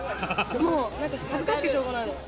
もうなんか、恥ずかしくてしょうがないの。